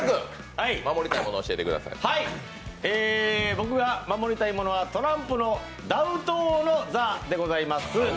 僕が守りたいものはトランプのダウト王の座でございます。